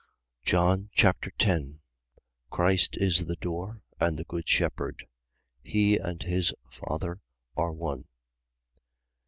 John Chapter 10 Christ is the door and the good shepherd. He and his Father are one.